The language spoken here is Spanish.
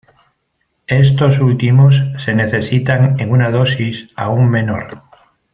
Estos últimos se necesitan en una dosis aún menor.